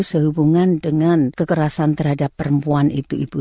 sehubungan dengan kekerasan terhadap perempuan itu ibu